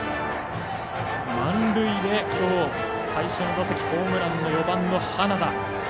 満塁できょう最初の打席ホームランの４番の花田。